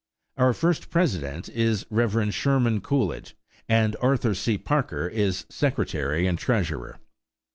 Our first president is Rev. Sherman Coolidge, and Arthur C. Parker is secretary and treasurer.